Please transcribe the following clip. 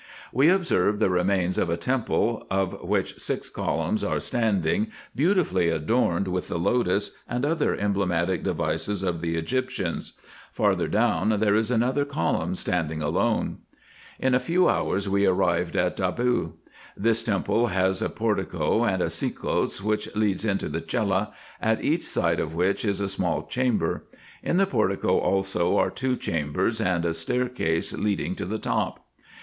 We ob served the remains of a temple, of which six columns are standing, F F 218 RESEARCHES AND OPERATIONS beautifully adorned with the lotus and other emblematic devices of the Egyptians. Farther down there is another column standing alone. In a few hours we arrived at Debod. This temple has a portico and a sekos, which leads into the cella, at each side of which is a small chamber. In the portico also are two chambers, and a stair case leading to the top.